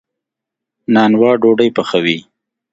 نانوا ډوډۍ پخوي.